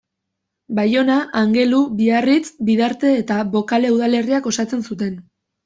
Baiona, Angelu, Biarritz, Bidarte eta Bokale udalerriek osatzen zuten.